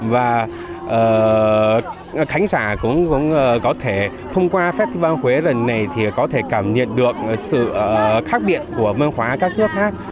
và khán giả cũng có thể thông qua festival huế lần này thì có thể cảm nhận được sự khác biệt của mơ khóa các nước khác